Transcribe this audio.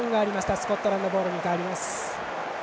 スコットランドボールに変わります。